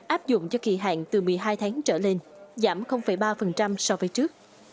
áp dụng cho kỳ hạn từ một mươi hai tháng trở lên giảm ba so với trước